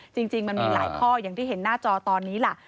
จริงมันมีหลายข้ออย่างที่เห็นหน้าจอตอนนี้ล่ะ